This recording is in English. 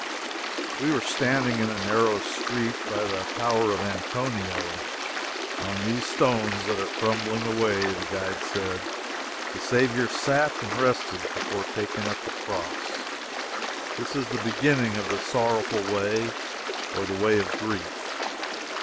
We were standing in a narrow street, by the Tower of Antonio. "On these stones that are crumbling away," the guide said, "the Saviour sat and rested before taking up the cross. This is the beginning of the Sorrowful Way, or the Way of Grief."